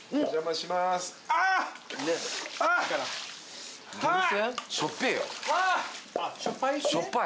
しょっぱい。